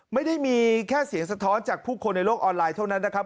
ไม่ได้มีแค่เสียงสะท้อนจากผู้คนในโลกออนไลน์เท่านั้นนะครับ